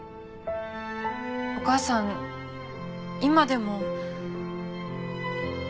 お母さん今でも。